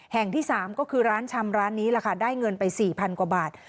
แห่งที่๓ก็คือร้านชำร้านนี้แหละค่ะได้เงินไป๔๐๐กว่าบาท